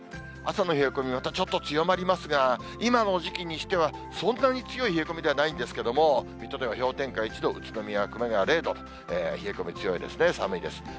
朝の冷え込み、またちょっと強まりますが、今の時期にしては、そんなに強い冷え込みではないんですけれども、水戸では氷点下１度、宇都宮、熊谷０度、冷え込み強いですね、寒いです。